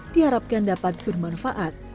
diharapkan dapat bermanfaat